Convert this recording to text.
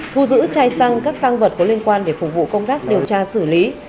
thu giữ chai xăng các tăng vật có liên quan để phục vụ công tác điều tra xử lý